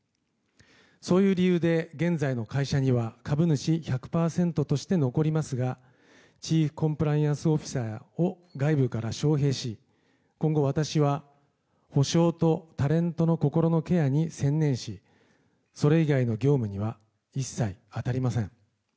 そういう理由で現在の会社には株主１００％として残りますがチーフコンプライアンスオフィサーを外部から招聘し、今後私は補償とタレントの心のケアに専念し、それ以外の業務には一切当たりません。